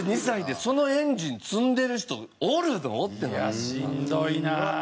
いやしんどいな。